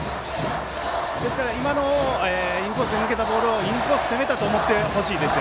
今のインコースで抜けたボールをインコース攻めたと思ってほしいです